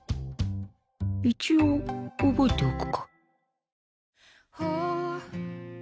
一応覚えておくか